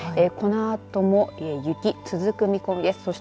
このあとも雪、続く見込みです。